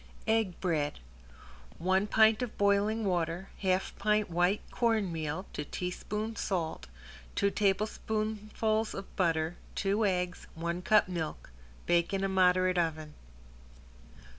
~EGG BREAD~ One pint of boiling water, half pint white cornmeal to teaspoon salt, two tablespoonfuls of butter, two eggs, one cup milk, bake in a moderate oven.